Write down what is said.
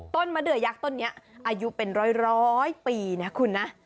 มะเดือยักษ์ต้นนี้อายุเป็นร้อยปีนะคุณนะ